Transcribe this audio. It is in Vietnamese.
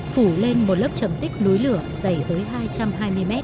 phủ lên một lớp trầm tích núi lửa dày tới hai trăm hai mươi m